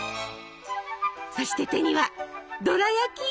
そして手にはドラやき！